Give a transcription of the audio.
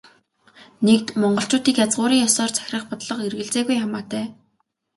Нэгд, монголчуудыг язгуурын ёсоор захирах бодлого эргэлзээгүй хамаатай.